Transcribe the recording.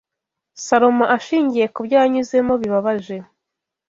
Salomo ashingiye ku byo yanyuzemo bibabaje